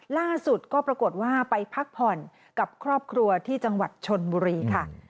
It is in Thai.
ล่าสุดก็ปรากฏว่าไปพักผ่อนกับครอบครัวที่จังหวัดชนบุรีค่ะ